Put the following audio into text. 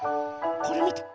これみて。